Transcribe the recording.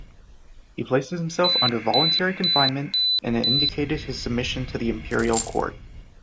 He placed himself under voluntary confinement, and indicated his submission to the imperial court.